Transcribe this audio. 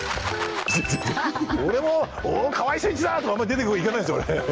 俺もお川合俊一だ！とかあんま出ていかないですよ